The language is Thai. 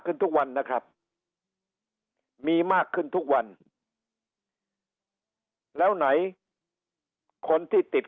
ทุกวันนะครับมีมากขึ้นทุกวันแล้วไหนคนที่ติด